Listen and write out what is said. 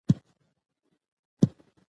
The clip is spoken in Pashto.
د ډوپامین ګډوډي هم د غوسې شدت زیاتوي.